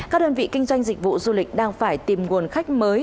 các đơn vị kinh doanh dịch vụ du lịch đang phải tìm nguồn khách mới